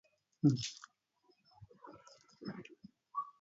قف باكرا عند قبر حل تربته